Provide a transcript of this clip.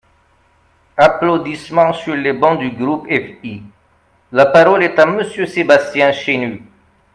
(Applaudissements sur les bancs du groupe FI.) La parole est à Monsieur Sébastien Chenu.